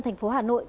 thành phố hà nội